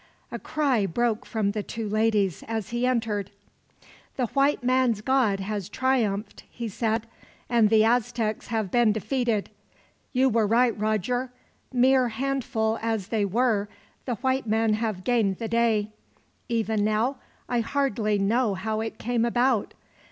A cry broke from the two ladies, as he entered. "The white man's God has triumphed," he said, "and the Aztecs have been defeated. You were right, Roger. Mere handful as they were, the white men have gained the day. Even now, I hardly know how it came about.